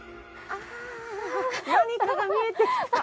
ああ何かが見えてきた。